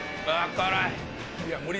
辛い。